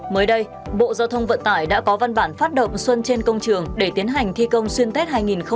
mới đây bộ giao thông vận tải đã có văn bản phát động xuân trên công trường để tiến hành thi công xuyên tết hai nghìn hai mươi